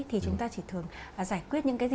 thì chúng ta chỉ thường giải quyết những cái gì